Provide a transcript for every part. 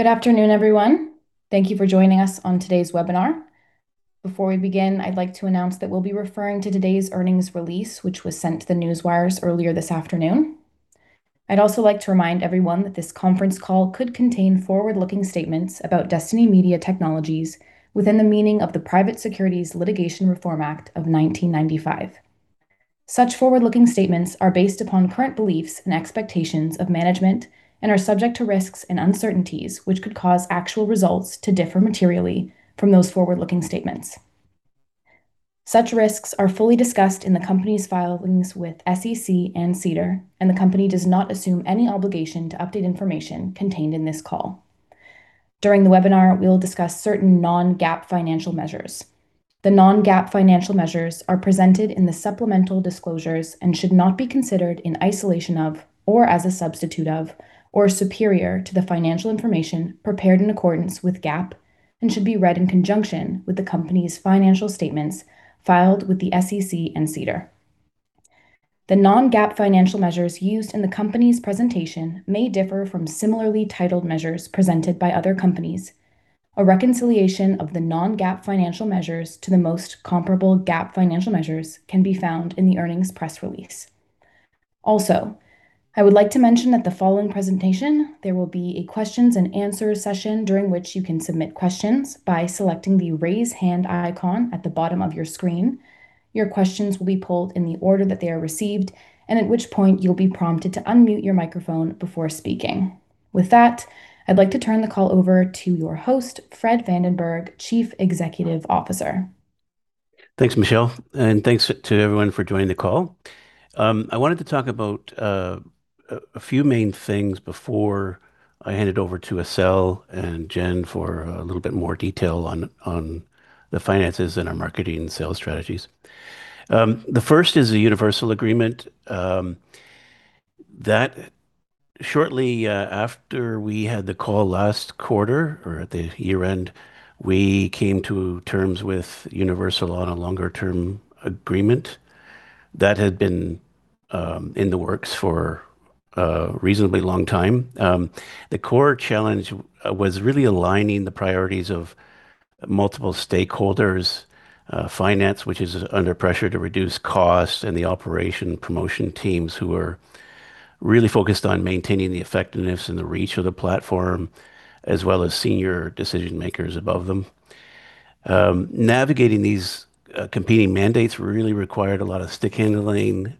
Good afternoon, everyone. Thank you for joining us on today's webinar. Before we begin, I'd like to announce that we'll be referring to today's earnings release, which was sent to the newswires earlier this afternoon. I'd also like to remind everyone that this conference call could contain forward-looking statements about Destiny Media Technologies within the meaning of the Private Securities Litigation Reform Act of 1995. Such forward-looking statements are based upon current beliefs and expectations of management and are subject to risks and uncertainties which could cause actual results to differ materially from those forward-looking statements. Such risks are fully discussed in the company's filings with SEC and SEDAR, and the company does not assume any obligation to update information contained in this call. During the webinar, we'll discuss certain non-GAAP financial measures. The non-GAAP financial measures are presented in the supplemental disclosures and should not be considered in isolation of, or as a substitute of, or superior to the financial information prepared in accordance with GAAP and should be read in conjunction with the company's financial statements filed with the SEC and SEDAR. The non-GAAP financial measures used in the company's presentation may differ from similarly titled measures presented by other companies. A reconciliation of the non-GAAP financial measures to the most comparable GAAP financial measures can be found in the earnings press release. Also, I would like to mention that the following presentation, there will be a questions and answers session during which you can submit questions by selecting the raise hand icon at the bottom of your screen. Your questions will be pulled in the order that they are received, and at which point you'll be prompted to unmute your microphone before speaking. With that, I'd like to turn the call over to your host, Fred Vandenberg, Chief Executive Officer. Thanks, Michelle, and thanks to everyone for joining the call. I wanted to talk about a few main things before I hand it over to Asel and Jen for a little bit more detail on the finances and our marketing and sales strategies. The first is a Universal agreement that shortly after we had the call last quarter, or at the year end, we came to terms with Universal on a longer-term agreement that had been in the works for a reasonably long time. The core challenge was really aligning the priorities of multiple stakeholders, finance, which is under pressure to reduce costs, and the operation promotion teams who were really focused on maintaining the effectiveness and the reach of the platform, as well as senior decision makers above them. Navigating these competing mandates really required a lot of stickhandling,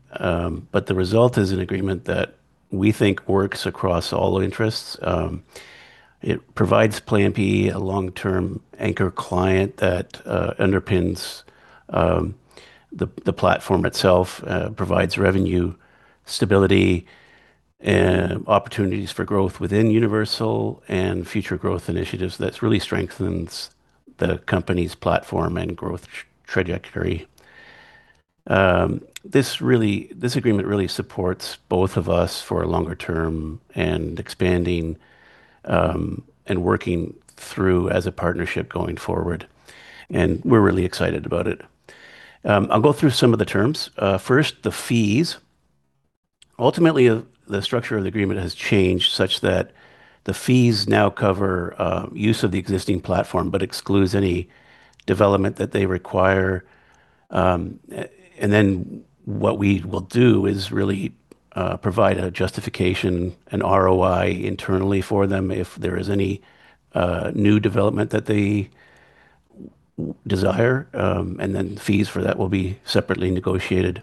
but the result is an agreement that we think works across all interests. It provides Play MPE, a long-term anchor client that underpins the platform itself, provides revenue stability, and opportunities for growth within Universal and future growth initiatives that really strengthens the company's platform and growth trajectory. This agreement really supports both of us for a longer term and expanding and working through as a partnership going forward, and we're really excited about it. I'll go through some of the terms. First, the fees. Ultimately, the structure of the agreement has changed such that the fees now cover use of the existing platform, but excludes any development that they require. Then what we will do is really provide a justification, an ROI internally for them if there is any new development that they desire, and then fees for that will be separately negotiated.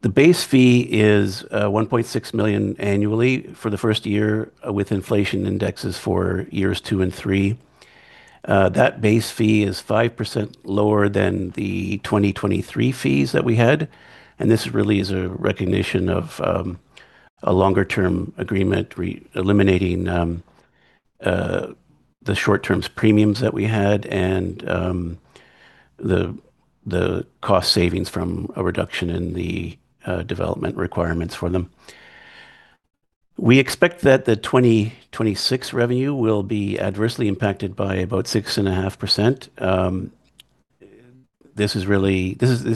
The base fee is $1.6 million annually for the first year with inflation indexes for years two and three. That base fee is 5% lower than the 2023 fees that we had, and this really is a recognition of a longer-term agreement eliminating the short-term premiums that we had and the cost savings from a reduction in the development requirements for them. We expect that the 2026 revenue will be adversely impacted by about 6.5%. This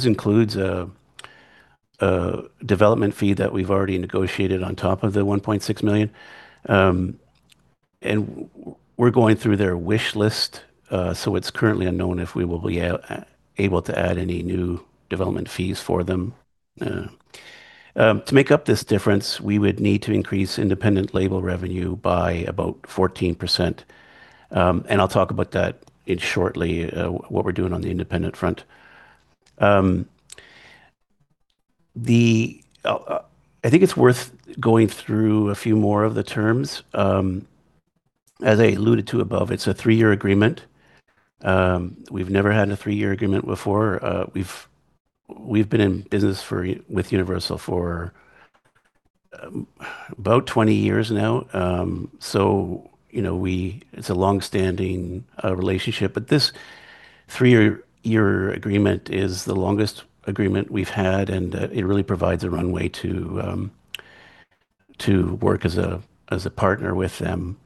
includes a development fee that we've already negotiated on top of the $1.6 million, and we're going through their wish list, so it's currently unknown if we will be able to add any new development fees for them. To make up this difference, we would need to increase independent label revenue by about 14%, and I'll talk about that shortly, what we're doing on the independent front. I think it's worth going through a few more of the terms. As I alluded to above, it's a three-year agreement. We've never had a three-year agreement before. We've been in business with Universal for about 20 years now, so it's a long-standing relationship, but this three-year agreement is the longest agreement we've had, and it really provides a runway to work as a partner with them.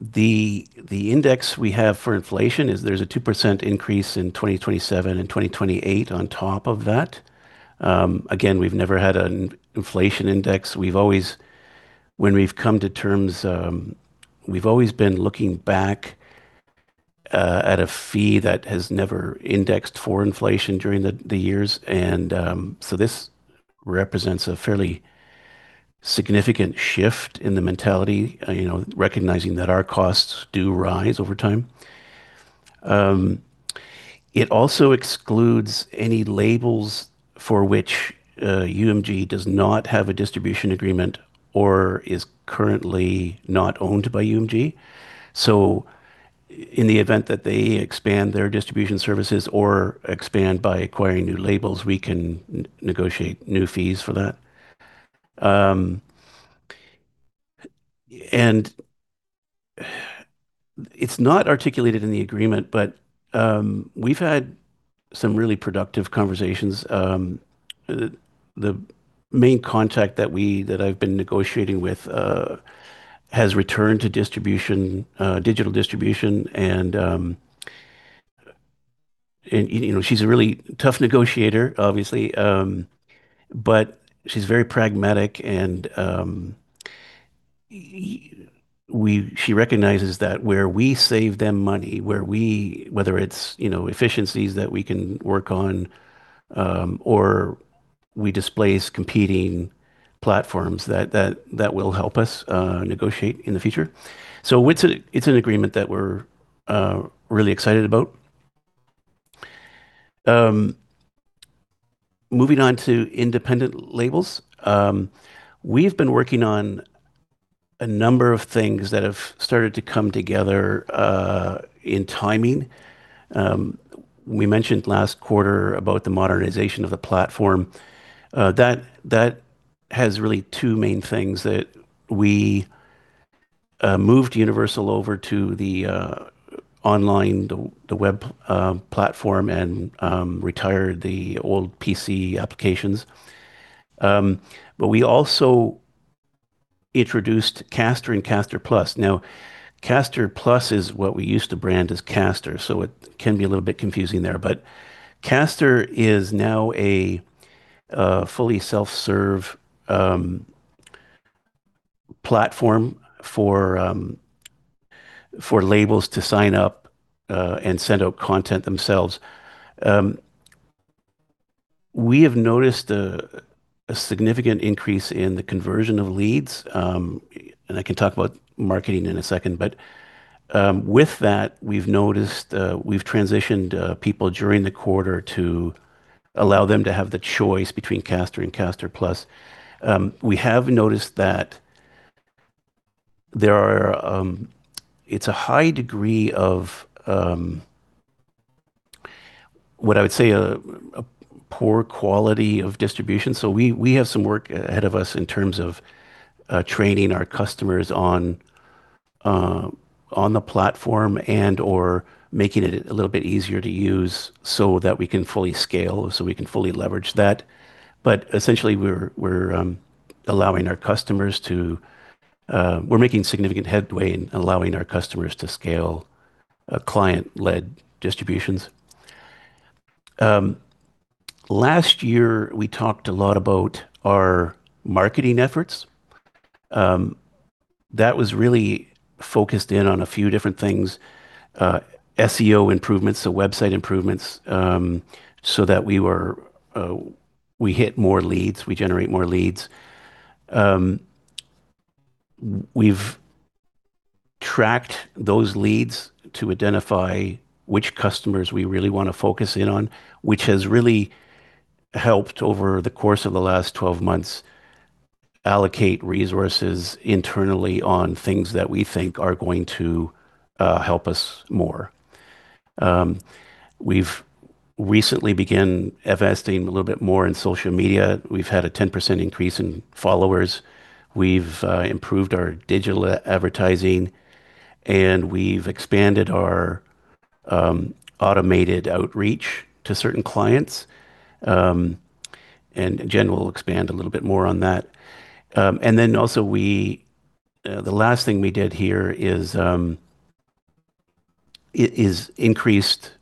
The index we have for inflation is, there's a 2% increase in 2027 and 2028 on top of that. Again, we've never had an inflation index. When we've come to terms, we've always been looking back at a fee that has never indexed for inflation during the years, and so this represents a fairly significant shift in the mentality, recognizing that our costs do rise over time. It also excludes any labels for which UMG does not have a distribution agreement or is currently not owned by UMG. So in the event that they expand their distribution services or expand by acquiring new labels, we can negotiate new fees for that. And it's not articulated in the agreement, but we've had some really productive conversations. The main contact that I've been negotiating with has returned to digital distribution, and she's a really tough negotiator, obviously, but she's very pragmatic, and she recognizes that where we save them money, whether it's efficiencies that we can work on or we displace competing platforms, that will help us negotiate in the future. So it's an agreement that we're really excited about. Moving on to independent labels, we've been working on a number of things that have started to come together in timing. We mentioned last quarter about the modernization of the platform. That has really two main things that we moved Universal over to the online, the web platform, and retired the old PC applications. But we also introduced Caster and Caster Plus. Now, Caster Plus is what we used to brand as Caster, so it can be a little bit confusing there, but Caster is now a fully self-serve platform for labels to sign up and send out content themselves. We have noticed a significant increase in the conversion of leads, and I can talk about marketing in a second, but with that, we've noticed we've transitioned people during the quarter to allow them to have the choice between Caster and Caster Plus. We have noticed that it's a high degree of, what I would say, a poor quality of distribution. So we have some work ahead of us in terms of training our customers on the platform and/or making it a little bit easier to use so that we can fully scale, so we can fully leverage that. Essentially, we're allowing our customers to, we're making significant headway in allowing our customers to scale client-led distributions. Last year, we talked a lot about our marketing efforts. That was really focused in on a few different things: SEO improvements, so website improvements, so that we hit more leads, we generate more leads. We've tracked those leads to identify which customers we really want to focus in on, which has really helped over the course of the last 12 months allocate resources internally on things that we think are going to help us more. We've recently begun investing a little bit more in social media. We've had a 10% increase in followers. We've improved our digital advertising, and we've expanded our automated outreach to certain clients. Jen will expand a little bit more on that. And then also, the last thing we did here is increased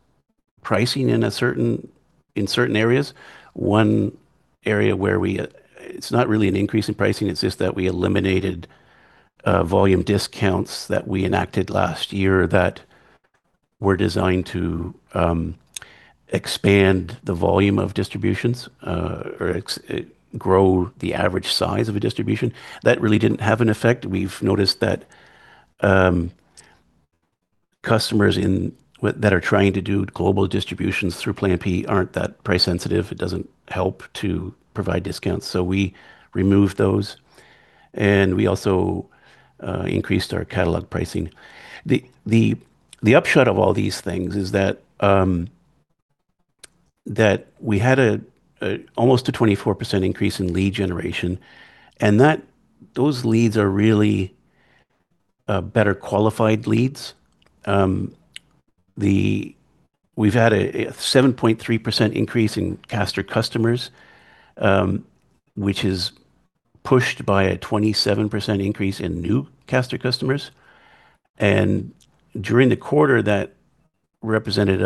pricing in certain areas. One area where we, it's not really an increase in pricing, it's just that we eliminated volume discounts that we enacted last year that were designed to expand the volume of distributions or grow the average size of a distribution. That really didn't have an effect. We've noticed that customers that are trying to do global distributions through Play MPE aren't that price sensitive. It doesn't help to provide discounts, so we removed those, and we also increased our catalog pricing. The upshot of all these things is that we had almost a 24% increase in lead generation, and those leads are really better qualified leads. We've had a 7.3% increase in Caster customers, which is pushed by a 27% increase in new Caster customers. During the quarter, that represented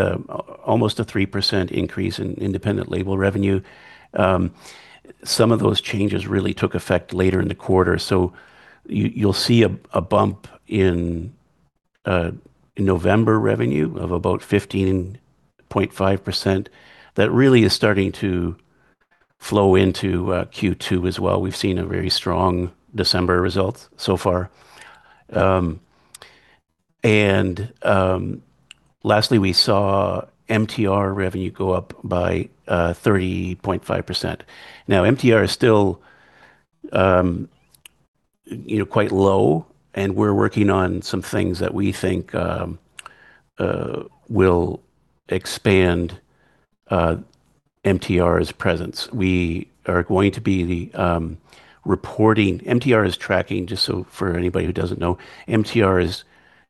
almost a 3% increase in independent label revenue. Some of those changes really took effect later in the quarter, so you'll see a bump in November revenue of about 15.5%. That really is starting to flow into Q2 as well. We've seen a very strong December result so far. Lastly, we saw MTR revenue go up by 30.5%. Now, MTR is still quite low, and we're working on some things that we think will expand MTR's presence. We are going to be reporting, MTR is tracking, just so for anybody who doesn't know, MTR is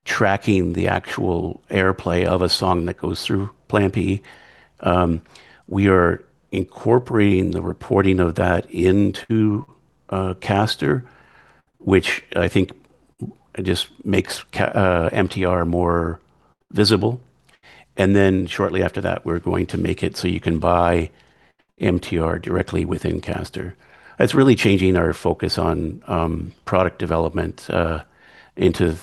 tracking the actual airplay of a song that goes through Play MPE. We are incorporating the reporting of that into Caster, which I think just makes MTR more visible. And then shortly after that, we're going to make it so you can buy MTR directly within Caster. It's really changing our focus on product development into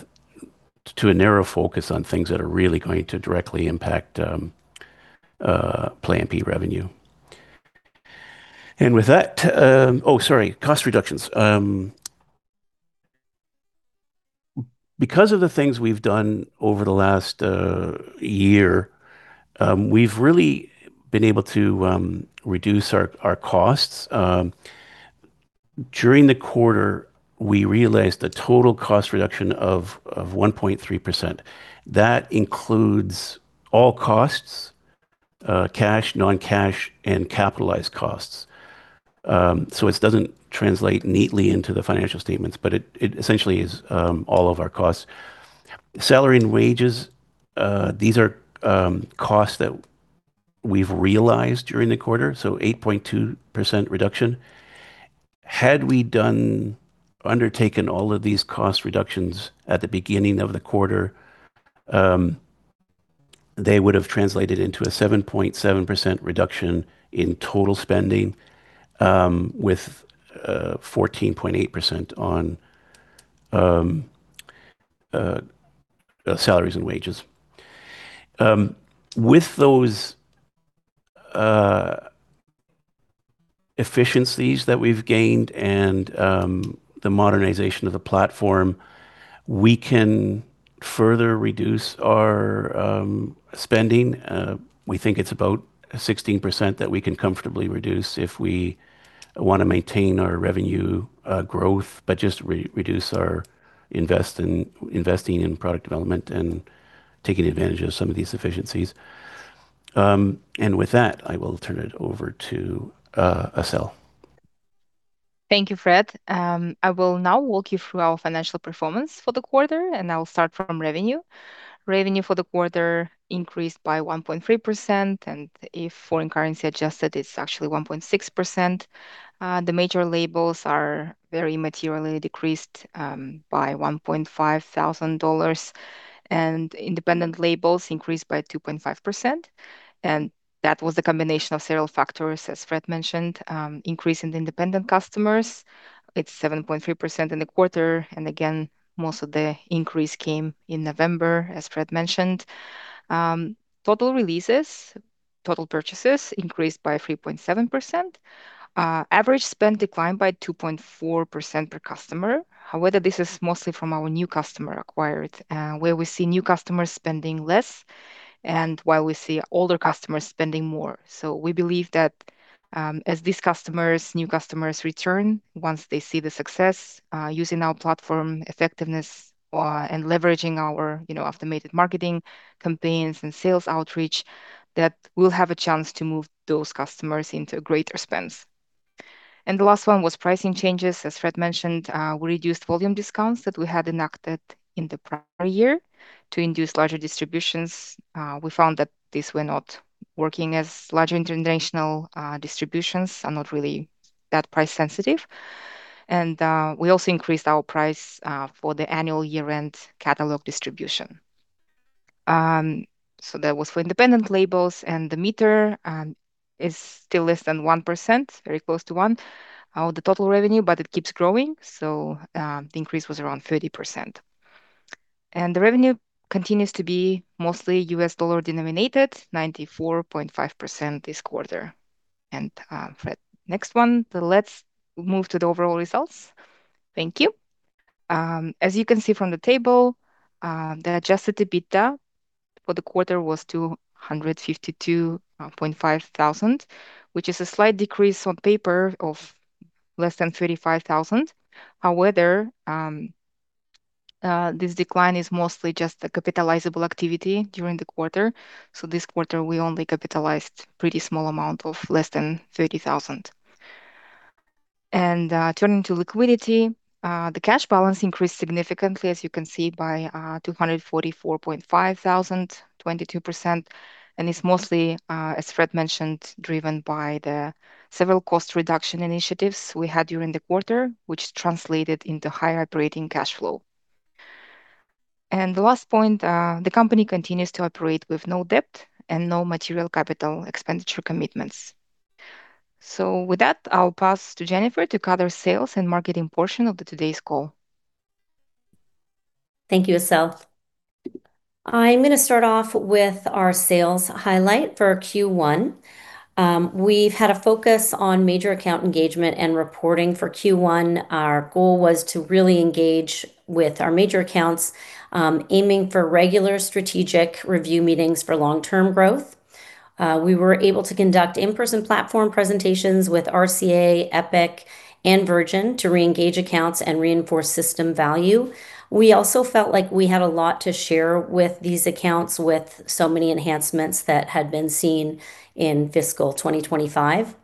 a narrow focus on things that are really going to directly impact Play MPE revenue. And with that, oh, sorry, cost reductions. Because of the things we've done over the last year, we've really been able to reduce our costs. During the quarter, we realized a total cost reduction of 1.3%. That includes all costs: cash, non-cash, and capitalized costs. So it doesn't translate neatly into the financial statements, but it essentially is all of our costs. Salary and wages, these are costs that we've realized during the quarter, so 8.2% reduction. Had we undertaken all of these cost reductions at the beginning of the quarter, they would have translated into a 7.7% reduction in total spending with 14.8% on salaries and wages. With those efficiencies that we've gained and the modernization of the platform, we can further reduce our spending. We think it's about 16% that we can comfortably reduce if we want to maintain our revenue growth, but just reduce our investing in product development and taking advantage of some of these efficiencies. With that, I will turn it over to Asel. Thank you, Fred. I will now walk you through our financial performance for the quarter, and I'll start from revenue. Revenue for the quarter increased by 1.3%, and if foreign currency adjusted, it's actually 1.6%. The major labels are immaterially decreased by $1,500, and independent labels increased by 2.5%. That was a combination of several factors, as Fred mentioned. Increase in independent customers, it's 7.3% in the quarter. Again, most of the increase came in November, as Fred mentioned. Total releases, total purchases increased by 3.7%. Average spend declined by 2.4% per customer. However, this is mostly from our new customer acquired, where we see new customers spending less and while we see older customers spending more. So we believe that as these new customers return, once they see the success using our platform effectiveness and leveraging our automated marketing campaigns and sales outreach, that we'll have a chance to move those customers into greater spends, and the last one was pricing changes. As Fred mentioned, we reduced volume discounts that we had enacted in the prior year to induce larger distributions. We found that these were not working as larger international distributions are not really that price sensitive, and we also increased our price for the annual year-end catalog distribution. So that was for independent labels, and the MTR is still less than 1%, very close to 1% of the total revenue, but it keeps growing. So the increase was around 30%. The revenue continues to be mostly U.S. dollar denominated, 94.5% this quarter. Fred, next one, let's move to the overall results. Thank you. As you can see from the table, the Adjusted EBITDA for the quarter was $252,500, which is a slight decrease on paper of less than $35,000. However, this decline is mostly just capitalizable activity during the quarter. So this quarter, we only capitalized a pretty small amount of less than $30,000. Turning to liquidity, the cash balance increased significantly, as you can see, by $244,500, 22%, and is mostly, as Fred mentioned, driven by the several cost reduction initiatives we had during the quarter, which translated into higher operating cash flow. The last point, the company continues to operate with no debt and no material capital expenditure commitments. So with that, I'll pass to Jennifer to cover sales and marketing portion of today's call. Thank you, Asel. I'm going to start off with our sales highlight for Q1. We've had a focus on major account engagement and reporting for Q1. Our goal was to really engage with our major accounts, aiming for regular strategic review meetings for long-term growth. We were able to conduct in-person platform presentations with RCA, Epic, and Virgin to reengage accounts and reinforce system value. We also felt like we had a lot to share with these accounts with so many enhancements that had been seen in fiscal 2025.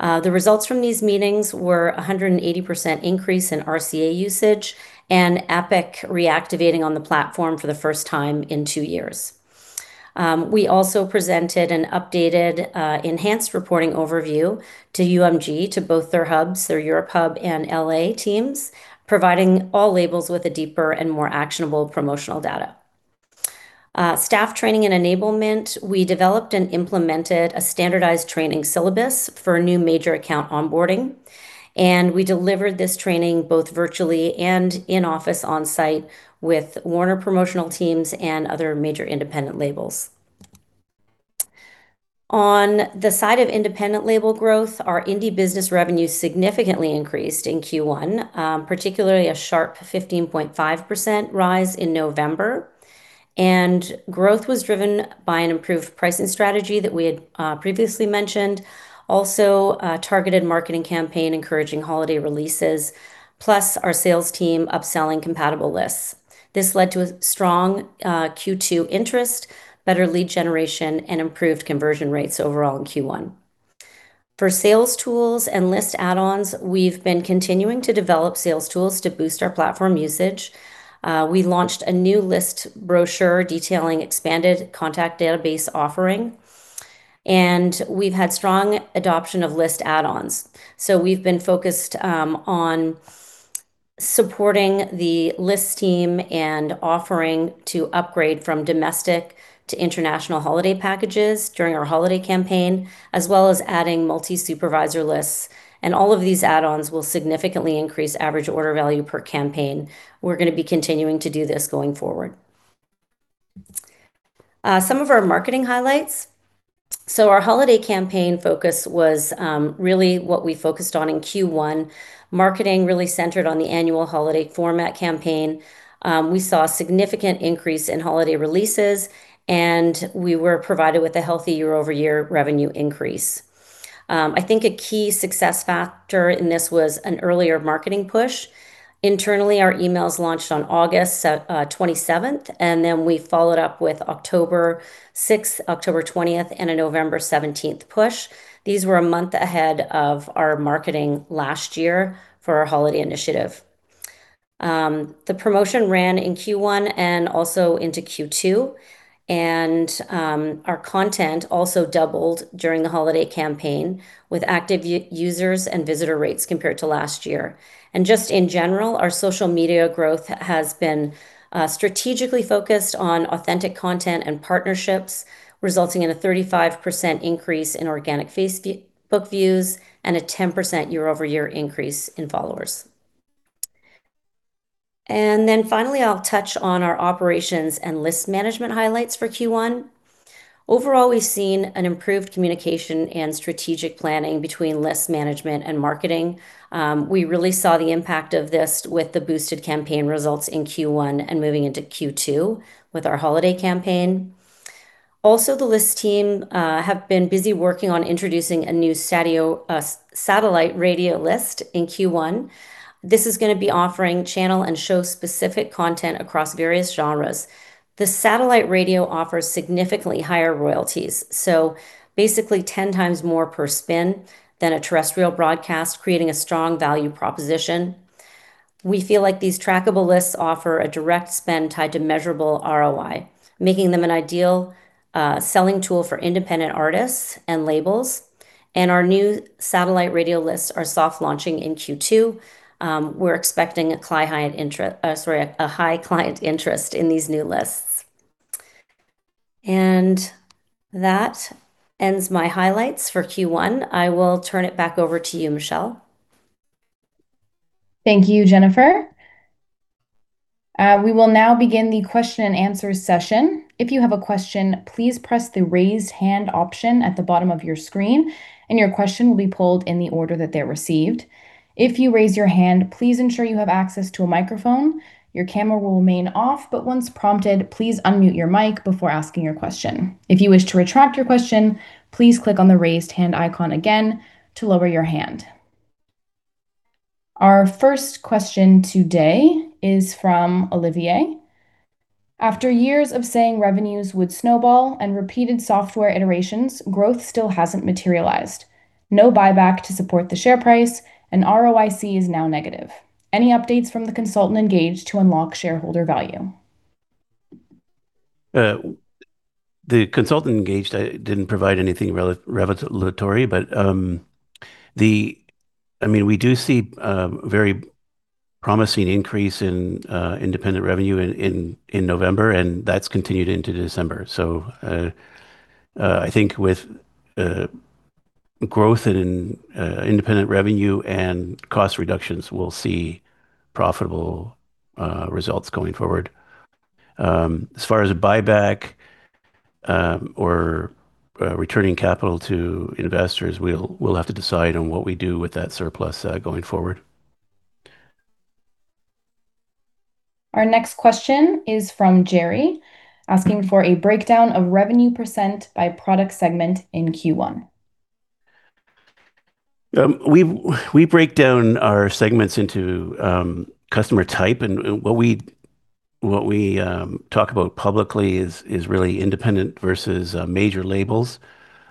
The results from these meetings were a 180% increase in RCA usage and Epic reactivating on the platform for the first time in two years. We also presented an updated enhanced reporting overview to UMG, to both their hubs, their Europe hub and LA teams, providing all labels with a deeper and more actionable promotional data. Staff training and enablement, we developed and implemented a standardized training syllabus for new major account onboarding, and we delivered this training both virtually and in-office on-site with Warner promotional teams and other major independent labels. On the side of independent label growth, our indie business revenue significantly increased in Q1, particularly a sharp 15.5% rise in November, and growth was driven by an improved pricing strategy that we had previously mentioned, also a targeted marketing campaign encouraging holiday releases, plus our sales team upselling compatible lists. This led to a strong Q2 interest, better lead generation, and improved conversion rates overall in Q1. For sales tools and list add-ons, we've been continuing to develop sales tools to boost our platform usage. We launched a new list brochure detailing expanded contact database offering, and we've had strong adoption of list add-ons. So we've been focused on supporting the list team and offering to upgrade from domestic to international holiday packages during our holiday campaign, as well as adding multi-supervisor lists. And all of these add-ons will significantly increase average order value per campaign. We're going to be continuing to do this going forward. Some of our marketing highlights. So our holiday campaign focus was really what we focused on in Q1. Marketing really centered on the annual holiday format campaign. We saw a significant increase in holiday releases, and we were provided with a healthy year-over-year revenue increase. I think a key success factor in this was an earlier marketing push. Internally, our emails launched on August 27th, and then we followed up with October 6th, October 20th, and a November 17th push. These were a month ahead of our marketing last year for our holiday initiative. The promotion ran in Q1 and also into Q2, and our content also doubled during the holiday campaign with active users and visitor rates compared to last year. And just in general, our social media growth has been strategically focused on authentic content and partnerships, resulting in a 35% increase in organic Facebook views and a 10% year-over-year increase in followers. And then finally, I'll touch on our operations and list management highlights for Q1. Overall, we've seen an improved communication and strategic planning between list management and marketing. We really saw the impact of this with the boosted campaign results in Q1 and moving into Q2 with our holiday campaign. Also, the list team have been busy working on introducing a new satellite radio list in Q1. This is going to be offering channel and show-specific content across various genres. The satellite radio offers significantly higher royalties, so basically 10 times more per spin than a terrestrial broadcast, creating a strong value proposition. We feel like these trackable lists offer a direct spend tied to measurable ROI, making them an ideal selling tool for independent artists and labels. And our new satellite radio lists are soft launching in Q2. We're expecting a high client interest in these new lists. And that ends my highlights for Q1. I will turn it back over to you, Michelle. Thank you, Jennifer. We will now begin the question and answer session. If you have a question, please press the raised hand option at the bottom of your screen, and your question will be pulled in the order that they're received. If you raise your hand, please ensure you have access to a microphone. Your camera will remain off, but once prompted, please unmute your mic before asking your question. If you wish to retract your question, please click on the raised hand icon again to lower your hand. Our first question today is from Olivier. After years of saying revenues would snowball and repeated software iterations, growth still hasn't materialized. No buyback to support the share price, and ROIC is now negative. Any updates from the consultant engaged to unlock shareholder value? The consultant engaged didn't provide anything revelatory, but I mean, we do see a very promising increase in independent revenue in November, and that's continued into December. So I think with growth in independent revenue and cost reductions, we'll see profitable results going forward. As far as buyback or returning capital to investors, we'll have to decide on what we do with that surplus going forward. Our next question is from Jerry, asking for a breakdown of revenue % by product segment in Q1. We break down our segments into customer type, and what we talk about publicly is really independent versus major labels,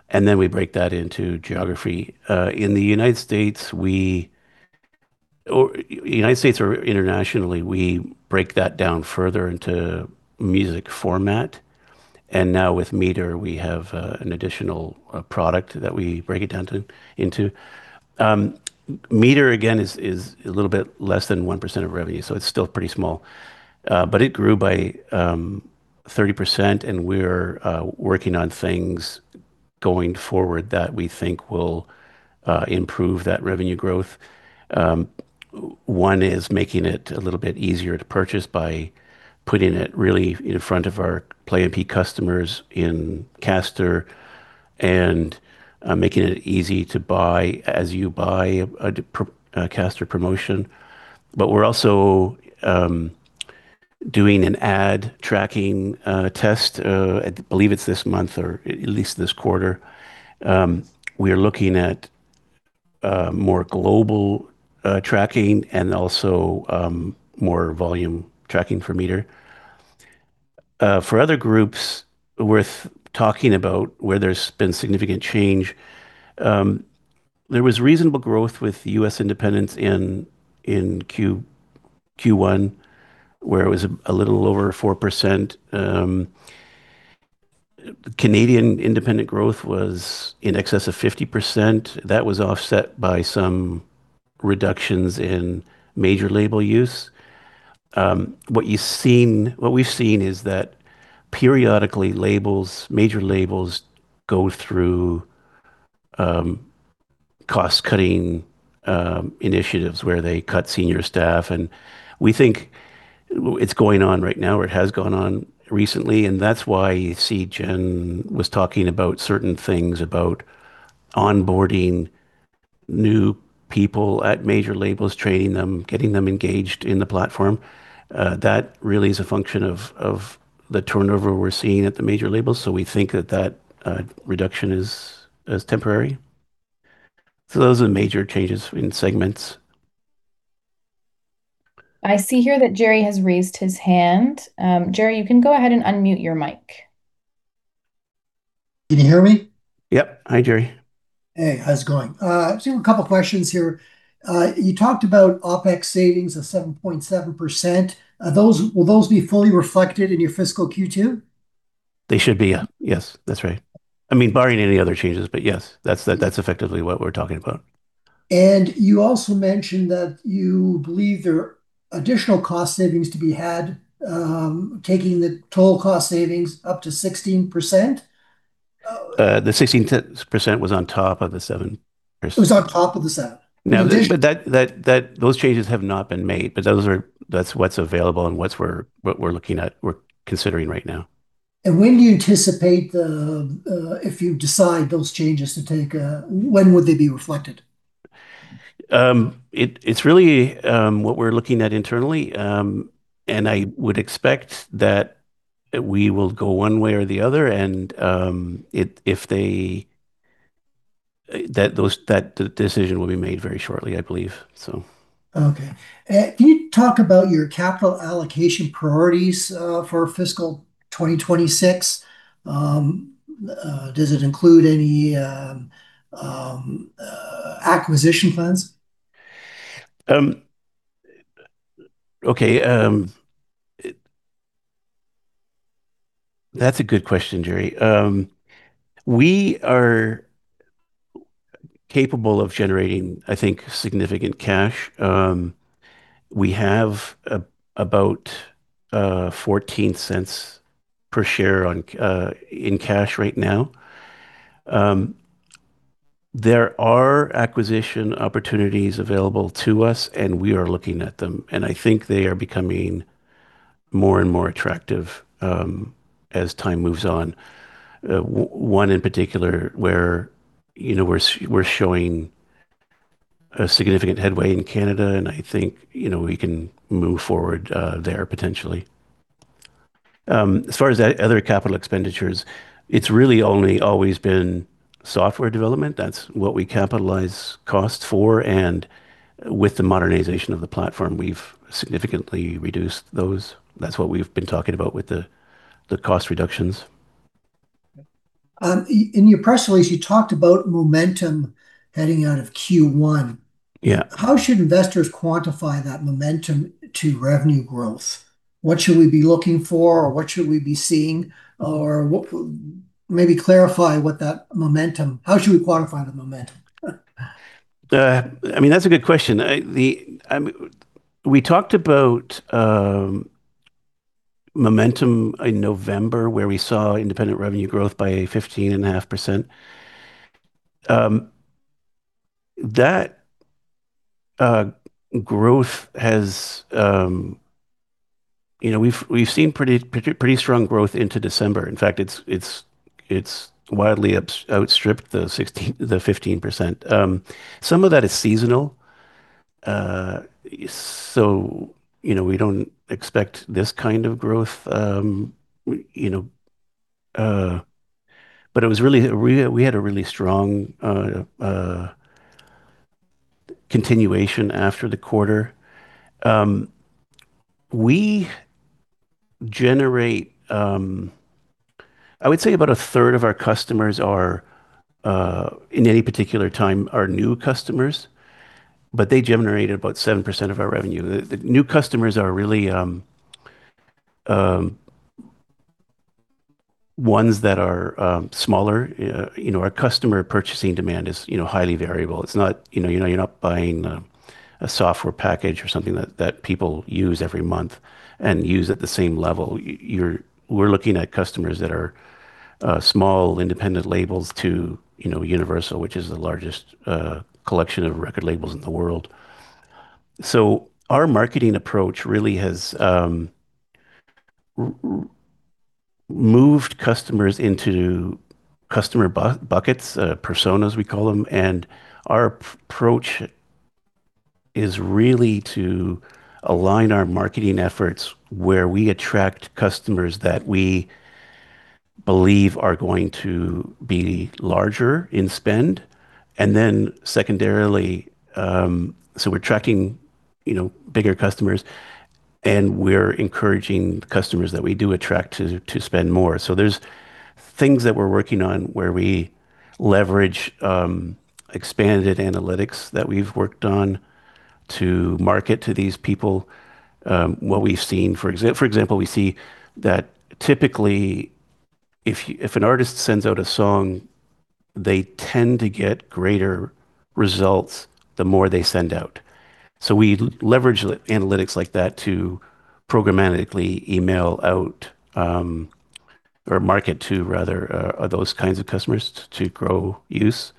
and then we break that into geography. In the United States or internationally, we break that down further into music format. And now with MTR, we have an additional product that we break it down into. MTR, again, is a little bit less than 1% of revenue, so it's still pretty small, but it grew by 30%, and we're working on things going forward that we think will improve that revenue growth. One is making it a little bit easier to purchase by putting it really in front of our Play MPE customers in Caster and making it easy to buy as you buy a Caster promotion. But we're also doing an ad tracking test. I believe it's this month or at least this quarter. We are looking at more global tracking and also more volume tracking for MTR. For other groups, worth talking about where there's been significant change. There was reasonable growth with U.S. independents in Q1, where it was a little over 4%. Canadian independent growth was in excess of 50%. That was offset by some reductions in major label use. What we've seen is that periodically major labels go through cost-cutting initiatives where they cut senior staff. We think it's going on right now or it has gone on recently, and that's why you see Jen was talking about certain things about onboarding new people at major labels, training them, getting them engaged in the platform. That really is a function of the turnover we're seeing at the major labels. We think that that reduction is temporary. Those are the major changes in segments. I see here that Jerry has raised his hand. Jerry, you can go ahead and unmute your mic. Can you hear me? Yep. Hi, Jerry. Hey, how's it going? I see a couple of questions here. You talked about OpEx savings of 7.7%. Will those be fully reflected in your fiscal Q2? They should be. Yes, that's right. I mean, barring any other changes, but yes, that's effectively what we're talking about. And you also mentioned that you believe there are additional cost savings to be had, taking the total cost savings up to 16%. The 16% was on top of the 7%. It was on top of the 7%. Now, those changes have not been made, but that's what's available and what we're looking at. We're considering right now. And when do you anticipate if you decide those changes to take, when would they be reflected? It's really what we're looking at internally, and I would expect that we will go one way or the other. And if the decision will be made very shortly, I believe, so. Okay. Can you talk about your capital allocation priorities for fiscal 2026? Does it include any acquisition plans? Okay. That's a good question, Jerry. We are capable of generating, I think, significant cash. We have about $0.14 per share in cash right now. There are acquisition opportunities available to us, and we are looking at them. And I think they are becoming more and more attractive as time moves on. One in particular where we're showing a significant headway in Canada, and I think we can move forward there potentially. As far as other capital expenditures, it's really only always been software development. That's what we capitalize cost for. And with the modernization of the platform, we've significantly reduced those. That's what we've been talking about with the cost reductions. In your press release, you talked about momentum heading out of Q1. How should investors quantify that momentum to revenue growth? What should we be looking for, or what should we be seeing, or maybe clarify what that momentum? How should we quantify the momentum? I mean, that's a good question. We talked about momentum in November where we saw independent revenue growth by 15.5%. That growth, we've seen pretty strong growth into December. In fact, it's widely outstripped the 15%. Some of that is seasonal. So we don't expect this kind of growth. But we had a really strong continuation after the quarter. I would say about a third of our customers are, in any particular time, our new customers, but they generated about 7% of our revenue. The new customers are really ones that are smaller. Our customer purchasing demand is highly variable. It's not; you're not buying a software package or something that people use every month and use at the same level. We're looking at customers that are small independent labels to Universal, which is the largest collection of record labels in the world. So our marketing approach really has moved customers into customer buckets, personas, we call them. And our approach is really to align our marketing efforts where we attract customers that we believe are going to be larger in spend. And then secondarily, so we're tracking bigger customers, and we're encouraging customers that we do attract to spend more. So there's things that we're working on where we leverage expanded analytics that we've worked on to market to these people what we've seen. For example, we see that typically, if an artist sends out a song, they tend to get greater results the more they send out. So we leverage analytics like that to programmatically email out or market to, rather, those kinds of customers to grow use.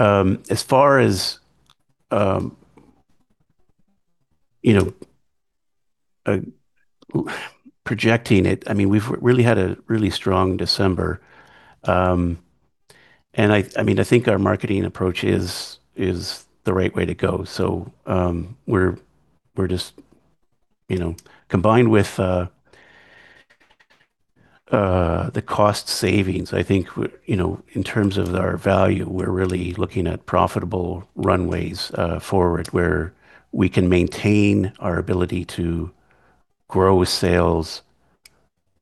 As far as projecting it, I mean, we've really had a really strong December. And I mean, I think our marketing approach is the right way to go. So we're just combined with the cost savings, I think, in terms of our value, we're really looking at profitable runways forward where we can maintain our ability to grow sales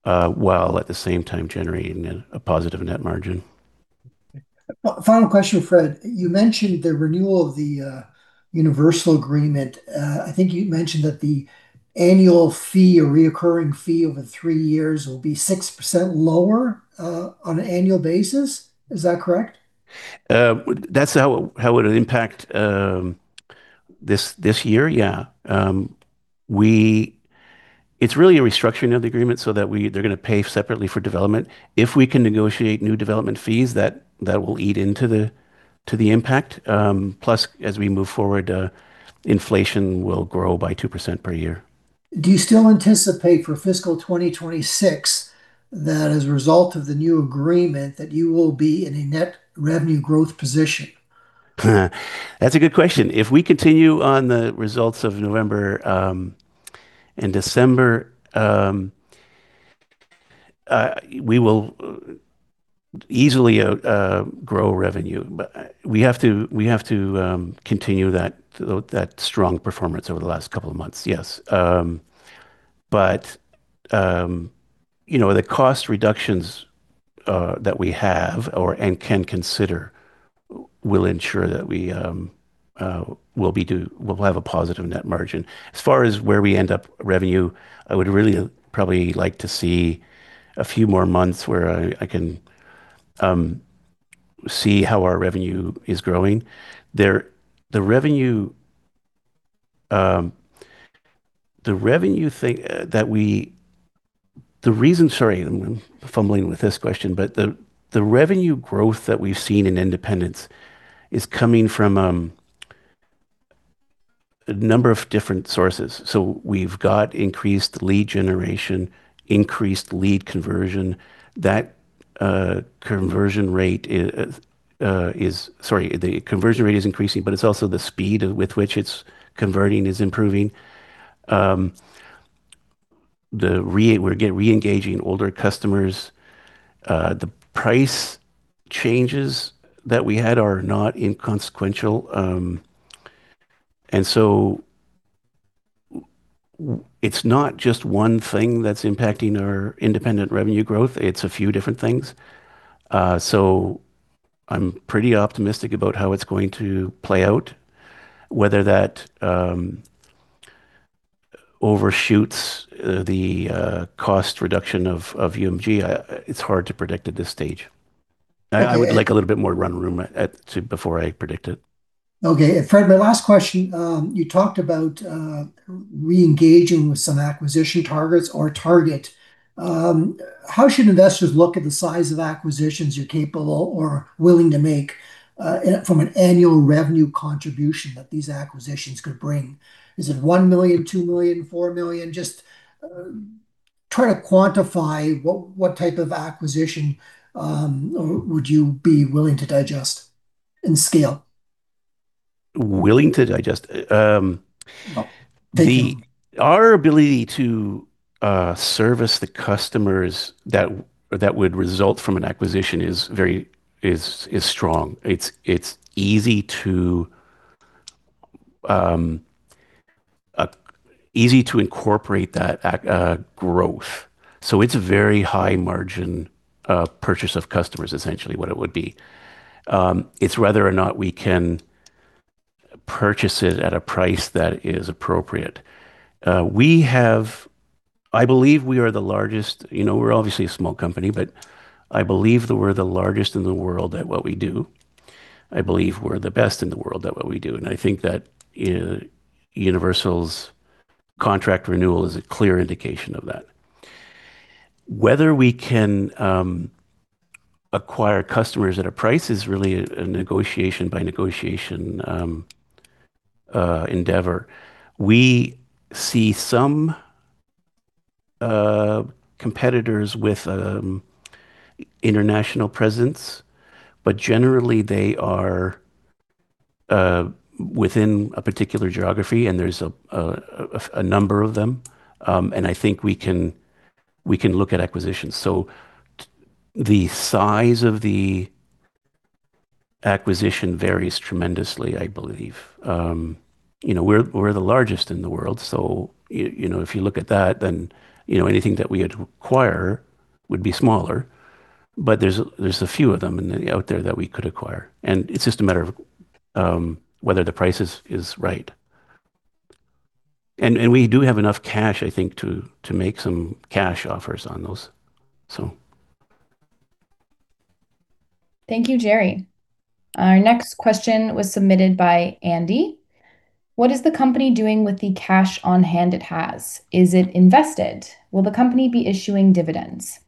while at the same time generating a positive net margin. Final question, Fred. You mentioned the renewal of the Universal agreement. I think you mentioned that the annual fee or recurring fee over three years will be 6% lower on an annual basis. Is that correct? That's how it'll impact this year, yeah. It's really a restructuring of the agreement so that they're going to pay separately for development. If we can negotiate new development fees, that will eat into the impact. Plus, as we move forward, inflation will grow by 2% per year. Do you still anticipate for fiscal 2026 that as a result of the new agreement that you will be in a net revenue growth position? That's a good question. If we continue on the results of November and December, we will easily grow revenue. We have to continue that strong performance over the last couple of months, yes. But the cost reductions that we have and can consider will ensure that we will have a positive net margin. As far as where we end up revenue, I would really probably like to see a few more months where I can see how our revenue is growing. The revenue that we, sorry, I'm fumbling with this question, but the revenue growth that we've seen in independents is coming from a number of different sources, so we've got increased lead generation, increased lead conversion. That conversion rate is, sorry, the conversion rate is increasing, but it's also the speed with which it's converting is improving. We're reengaging older customers. The price changes that we had are not inconsequential. And so it's not just one thing that's impacting our independent revenue growth. It's a few different things. So I'm pretty optimistic about how it's going to play out. Whether that overshoots the cost reduction of UMG, it's hard to predict at this stage. I would like a little bit more run room before I predict it. Okay. Fred, my last question. You talked about reengaging with some acquisition targets or target. How should investors look at the size of acquisitions you're capable or willing to make from an annual revenue contribution that these acquisitions could bring? Is it one million, two million, four million? Just try to quantify what type of acquisition would you be willing to digest and scale? Willing to digest? Our ability to service the customers that would result from an acquisition is very strong. It's easy to incorporate that growth. So it's a very high margin purchase of customers, essentially, what it would be. It's whether or not we can purchase it at a price that is appropriate. I believe we are the largest. We're obviously a small company, but I believe that we're the largest in the world at what we do. I believe we're the best in the world at what we do, and I think that Universal's contract renewal is a clear indication of that. Whether we can acquire customers at a price is really a negotiation by negotiation endeavor. We see some competitors with international presence, but generally, they are within a particular geography, and there's a number of them, and I think we can look at acquisitions, so the size of the acquisition varies tremendously, I believe. We're the largest in the world, so if you look at that, then anything that we acquire would be smaller, but there's a few of them out there that we could acquire, and it's just a matter of whether the price is right, and we do have enough cash, I think, to make some cash offers on those, so. Thank you, Jerry. Our next question was submitted by Andy. What is the company doing with the cash on hand it has? Is it invested? Will the company be issuing dividends?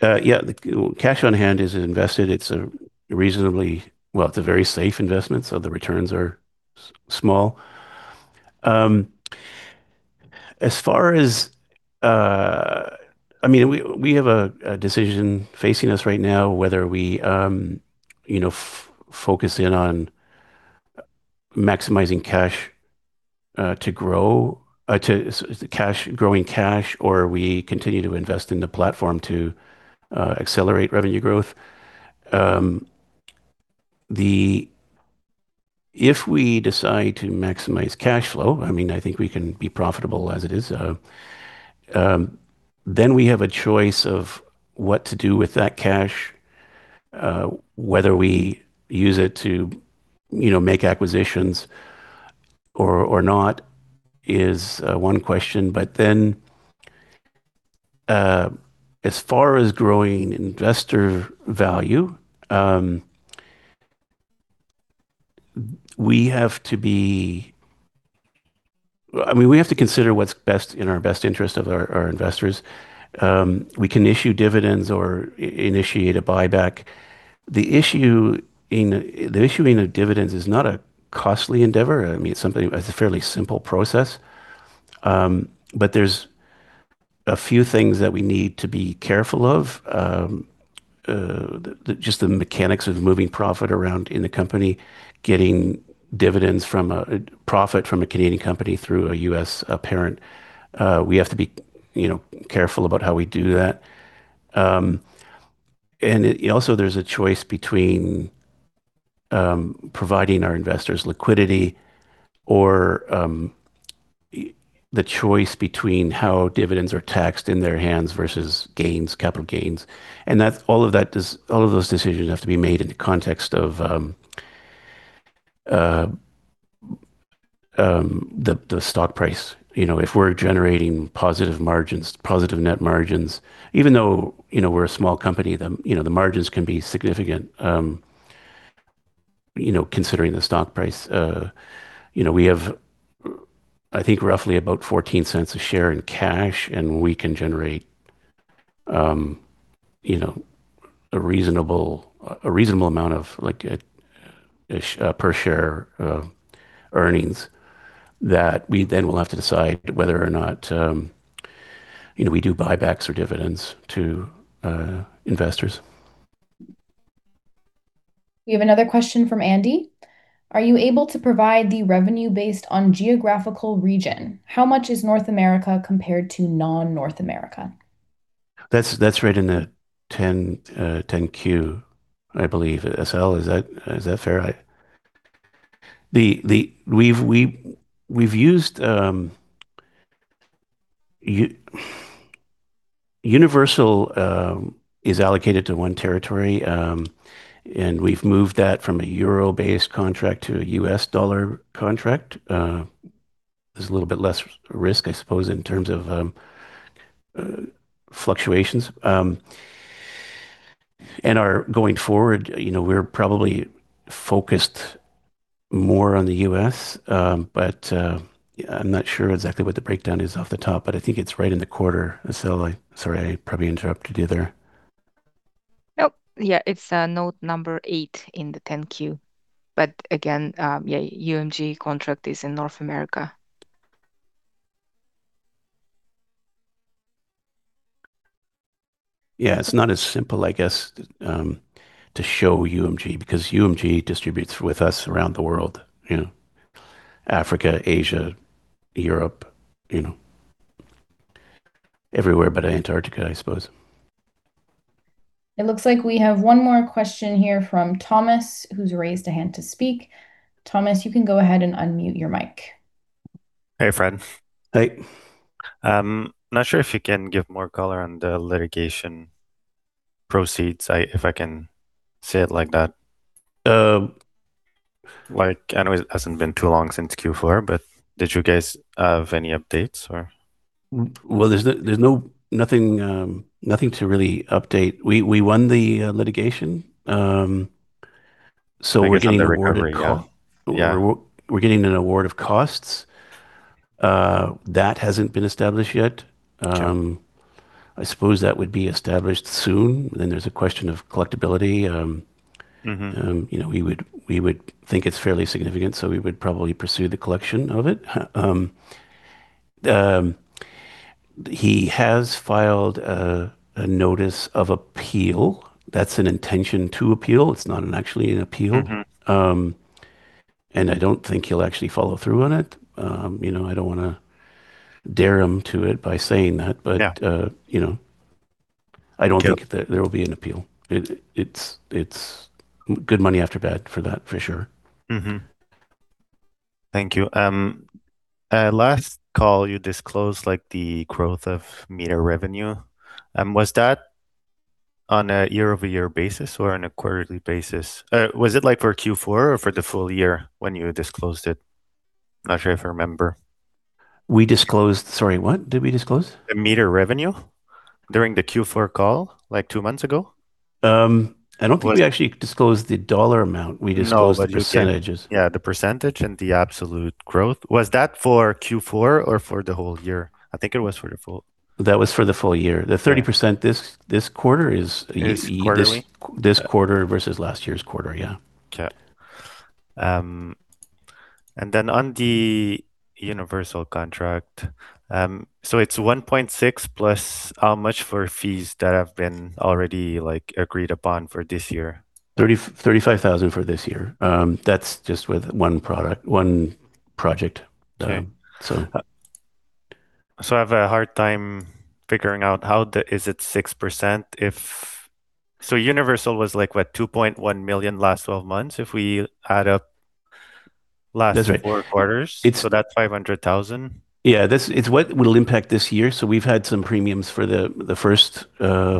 Yeah, cash on hand is invested. It's a reasonably, well, it's a very safe investment, so the returns are small. As far as, I mean, we have a decision facing us right now whether we focus in on maximizing cash to growing cash or we continue to invest in the platform to accelerate revenue growth. If we decide to maximize cash flow, I mean, I think we can be profitable as it is. Then we have a choice of what to do with that cash. Whether we use it to make acquisitions or not is one question. But then as far as growing investor value, we have to be, I mean, we have to consider what's best in our best interest of our investors. We can issue dividends or initiate a buyback. The issuing of dividends is not a costly endeavor. I mean, it's a fairly simple process. But there's a few things that we need to be careful of. Just the mechanics of moving profit around in the company, getting dividends from a profit from a Canadian company through a U.S. parent. We have to be careful about how we do that. And also, there's a choice between providing our investors liquidity or the choice between how dividends are taxed in their hands versus gains, capital gains. And all of those decisions have to be made in the context of the stock price. If we're generating positive net margins, even though we're a small company, the margins can be significant considering the stock price. We have, I think, roughly about $0.14 a share in cash, and we can generate a reasonable amount of per-share earnings that we then will have to decide whether or not we do buybacks or dividends to investors. We have another question from Andy. Are you able to provide the revenue based on geographical region? How much is North America compared to non-North America? That's right in the 10-Q, I believe. Asel, is that fair? We've used Universal is allocated to one territory, and we've moved that from a euro-based contract to a U.S. dollar contract. There's a little bit less risk, I suppose, in terms of fluctuations, and going forward, we're probably focused more on the U.S., but I'm not sure exactly what the breakdown is off the top, but I think it's right in the quarter. Sorry, I probably interrupted you there. Nope. Yeah. It's note number eight in the 10-Q. But again, yeah, UMG contract is in North America. Yeah. It's not as simple, I guess, to show UMG because UMG distributes with us around the world: Africa, Asia, Europe, everywhere but Antarctica, I suppose. It looks like we have one more question here from Thomas, who's raised a hand to speak. Thomas, you can go ahead and unmute your mic. Hey, Fred. Hi. I'm not sure if you can give more color on the litigation proceeds, if I can say it like that. I know it hasn't been too long since Q4, but did you guys have any updates or? Well, there's nothing to really update. We won the litigation, so we're getting an award of costs. That hasn't been established yet. I suppose that would be established soon. Then there's a question of collectibility. We would think it's fairly significant, so we would probably pursue the collection of it. He has filed a notice of appeal. That's an intention to appeal. It's not actually an appeal. And I don't think he'll actually follow through on it. I don't want to dare him to it by saying that, but I don't think that there will be an appeal. It's good money after bad for that, for sure. Thank you. Last call, you disclosed the growth of MTR revenue. Was that on a year-over-year basis or on a quarterly basis? Was it for Q4 or for the full year when you disclosed it? Not sure if I remember. We disclosed, sorry, what did we disclose? The MTR revenue during the Q4 call, like two months ago. I don't think we actually disclosed the dollar amount. We disclosed the percentages. Yeah, the percentage and the absolute growth. Was that for Q4 or for the whole year? I think it was for the full. That was for the full year. The 30% this quarter is easy. This quarter versus last year's quarter, yeah. Okay. And then on the Universal contract, so it's $1.6 million plus how much for fees that have been already agreed upon for this year? $35,000 for this year. That's just with one project done, so. So I have a hard time figuring out how is it 6% if so Universal was like, what, $2.1 million last 12 months if we add up last four quarters? So that's $500,000. Yeah. It's what will impact this year. So we've had some premiums for the first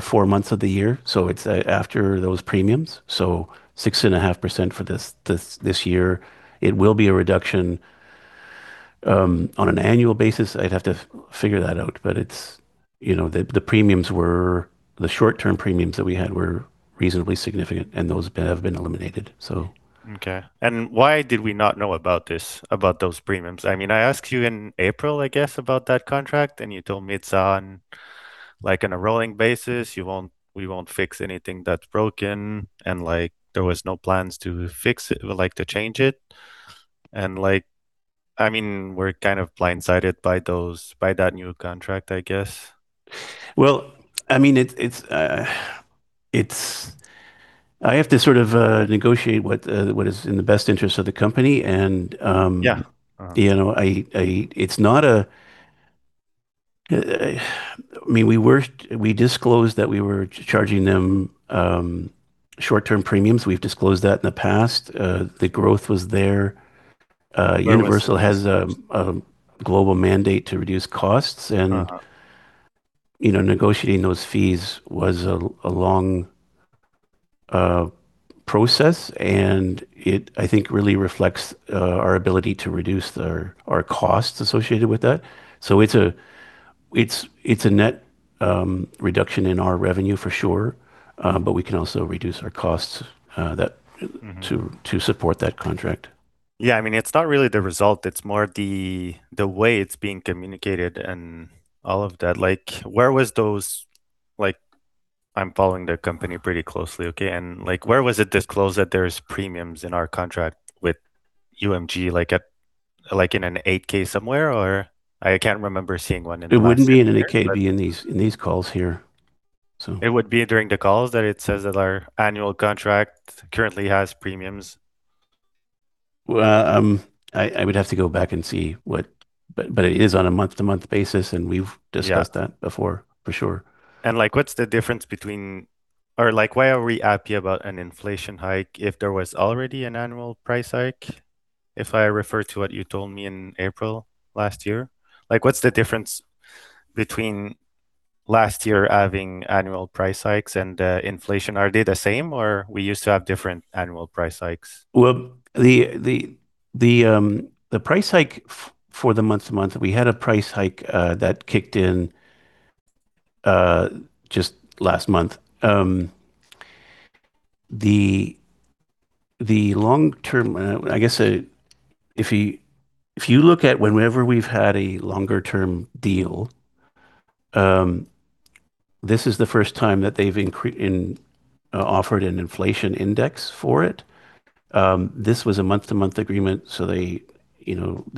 four months of the year. So it's after those premiums. So 6.5% for this year. It will be a reduction on an annual basis. I'd have to figure that out. But the premiums were the short-term premiums that we had were reasonably significant, and those have been eliminated, so. Okay. And why did we not know about those premiums? I mean, I asked you in April, I guess, about that contract, and you told me it's on a rolling basis. We won't fix anything that's broken, and there were no plans to change it. I mean, we're kind of blindsided by that new contract, I guess. I mean, I have to sort of negotiate what is in the best interest of the company. It's not a. I mean, we disclosed that we were charging them short-term premiums. We've disclosed that in the past. The growth was there. Universal has a global mandate to reduce costs, and negotiating those fees was a long process. I think it really reflects our ability to reduce our costs associated with that. It's a net reduction in our revenue, for sure, but we can also reduce our costs to support that contract. Yeah. I mean, it's not really the result. It's more the way it's being communicated and all of that. Where was those? I'm following the company pretty closely, okay? And where was it disclosed that there's premiums in our contract with UMG in an 8-K somewhere, or? I can't remember seeing one in the last year. It wouldn't be in an 8-K, it'd be in these calls here, so. It would be during the calls that it says that our annual contract currently has premiums? Well, I would have to go back and see what, but it is on a month-to-month basis, and we've discussed that before, for sure. And what's the difference between, or why are we happy about an inflation hike if there was already an annual price hike? If I refer to what you told me in April last year, what's the difference between last year having annual price hikes and inflation? Are they the same, or we used to have different annual price hikes? Well, the price hike for the month-to-month, we had a price hike that kicked in just last month. The long-term, I guess, if you look at whenever we've had a longer-term deal, this is the first time that they've offered an inflation index for it. This was a month-to-month agreement, so they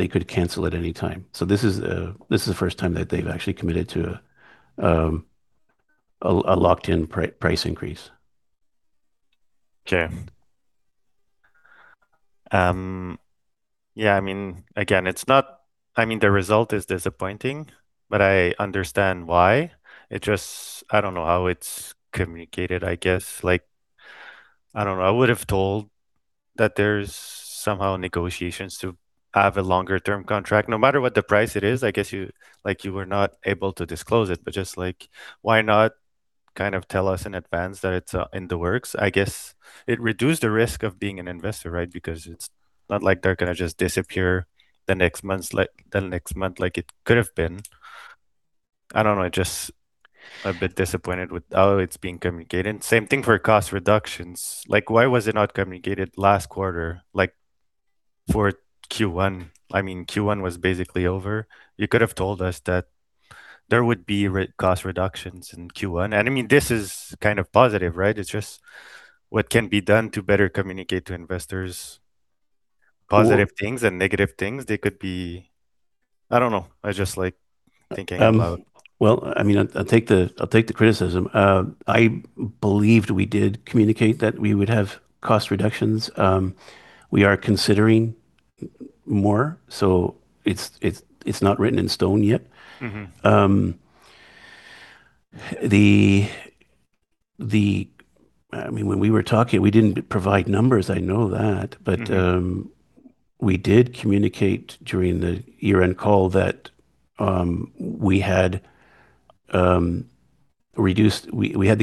could cancel at any time. So this is the first time that they've actually committed to a locked-in price increase. Okay. Yeah. I mean, again, it's not, I mean, the result is disappointing, but I understand why. I don't know how it's communicated, I guess. I don't know. I would have told that there's somehow negotiations to have a longer-term contract. No matter what the price it is, I guess you were not able to disclose it, but just why not kind of tell us in advance that it's in the works? I guess it reduced the risk of being an investor, right? Because it's not like they're going to just disappear the next month like it could have been. I don't know. Just a bit disappointed with how it's being communicated. Same thing for cost reductions. Why was it not communicated last quarter for Q1? I mean, Q1 was basically over. You could have told us that there would be cost reductions in Q1. And I mean, this is kind of positive, right? It's just what can be done to better communicate to investors, positive things and negative things. They could be. I don't know. I just like thinking about. Well, I mean, I'll take the criticism. I believed we did communicate that we would have cost reductions. We are considering more, so it's not written in stone yet. I mean, when we were talking, we didn't provide numbers. I know that. But we did communicate during the year-end call that we had the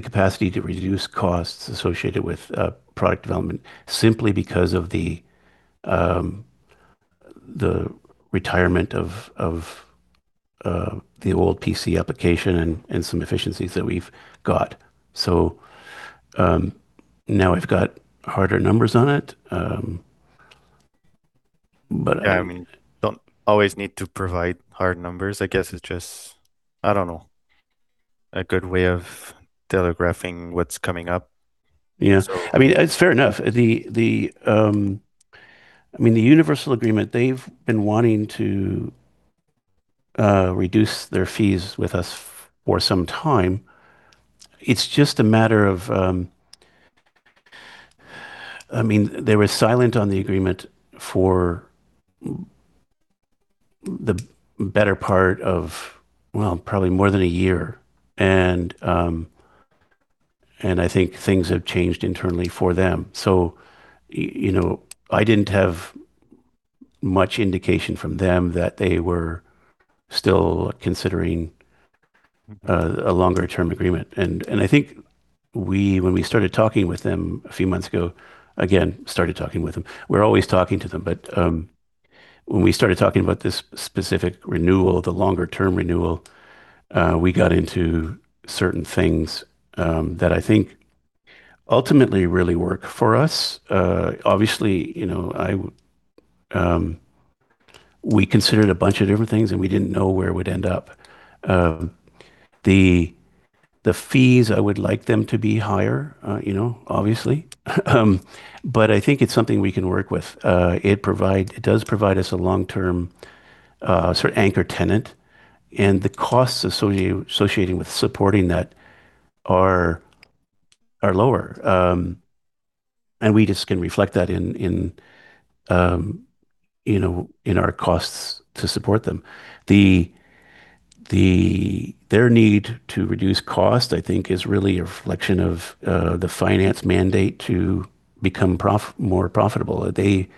capacity to reduce costs associated with product development simply because of the retirement of the old PC application and some efficiencies that we've got. So now I've got harder numbers on it. But I mean, don't always need to provide hard numbers. I guess it's just, I don't know, a good way of telegraphing what's coming up. I mean, it's fair enough. I mean, the Universal agreement, they've been wanting to reduce their fees with us for some time. It's just a matter of, I mean, they were silent on the agreement for the better part of, well, probably more than a year, and I think things have changed internally for them, so I didn't have much indication from them that they were still considering a longer-term agreement, and I think when we started talking with them a few months ago, again, started talking with them. We're always talking to them, but when we started talking about this specific renewal, the longer-term renewal, we got into certain things that I think ultimately really work for us. Obviously, we considered a bunch of different things, and we didn't know where it would end up. The fees, I would like them to be higher, obviously, but I think it's something we can work with. It does provide us a long-term sort of anchor tenant. And the costs associated with supporting that are lower. And we just can reflect that in our costs to support them. Their need to reduce cost, I think, is really a reflection of the finance mandate to become more profitable. They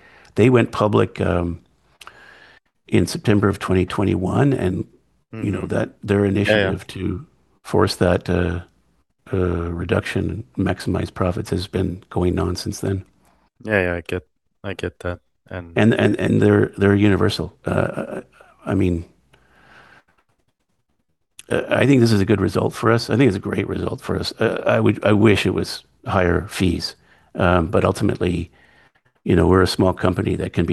went public in September of 2021, and their initiative to force that reduction and maximize profits has been going on since then. Yeah. Yeah. I get that. And they're Universal. I mean, I think this is a good result for us. I think it's a great result for us. I wish it was higher fees. But ultimately, we're a small company that can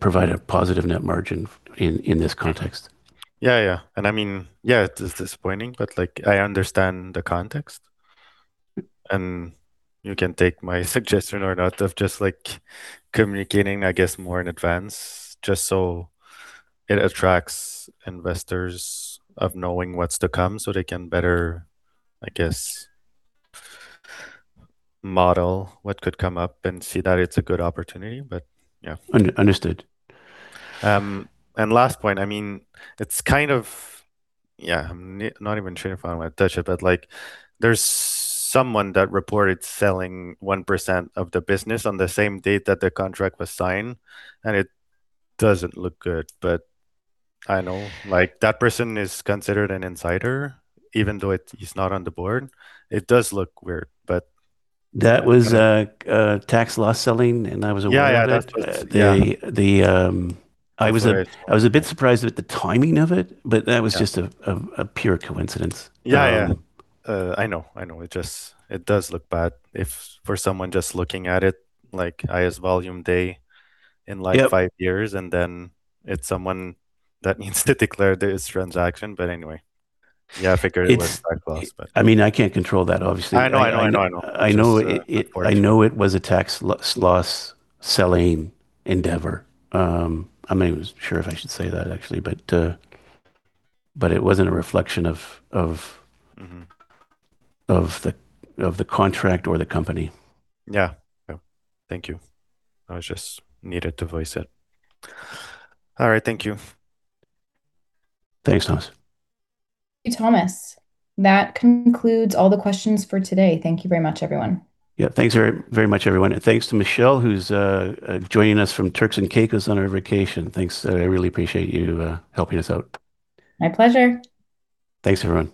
provide a positive net margin in this context. Yeah. Yeah. And I mean, yeah, it's disappointing, but I understand the context. You can take my suggestion or not of just communicating, I guess, more in advance just so it attracts investors of knowing what's to come so they can better, I guess, model what could come up and see that it's a good opportunity. But yeah. Understood. Last point, I mean, it's kind of, yeah, I'm not even sure if I want to touch it, but there's someone that reported selling 1% of the business on the same date that the contract was signed. And it doesn't look good. I know that person is considered an insider, even though he's not on the board. It does look weird, but. That was tax loss selling, and I was aware of that. Yeah. Yeah. That's what I was a bit surprised at the timing of it, but that was just a pure coincidence. Yeah. Yeah. I know. I know. It does look bad for someone just looking at it like highest volume day in like five years, and then it's someone that needs to declare this transaction. But anyway, yeah, I figured it was tax loss, but. I mean, I can't control that, obviously. I know it was a tax loss selling endeavor. I'm not even sure if I should say that, actually, but it wasn't a reflection of the contract or the company. Yeah. Thank you. I just needed to voice it. All right. Thank you. Thanks, Thomas. Thank you, Thomas. That concludes all the questions for today. Thank you very much, everyone. Yeah. Thanks very much, everyone. And thanks to Michelle, who's joining us from Turks and Caicos on her vacation. Thanks. I really appreciate you helping us out. My pleasure. Thanks, everyone. Thank you.